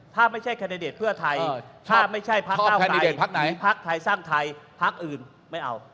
ถ้าไม่ใช่แคนนเดตเพื่อไทยถ้าไม่ใช่พักเก้าไทยหรือพักไทยสร้างไทยหรือพักอื่นไม่เอา